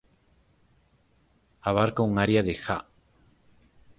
Abarca un área de ha.